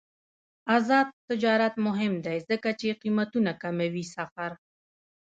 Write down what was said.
آزاد تجارت مهم دی ځکه چې قیمتونه کموي سفر.